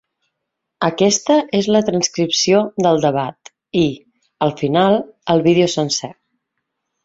Aquesta és la transcripció del debat i, al final, el vídeo sencer.